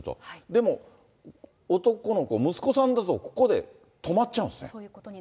でも、男の子、息子さんだとここで止まっちゃうんですね。